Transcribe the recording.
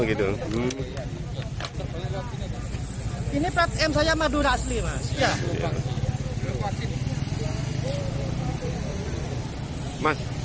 ini praten saya madura asli mas